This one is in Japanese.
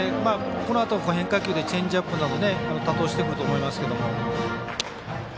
このあと、変化球でチェンジアップを多投してくると思いますけど。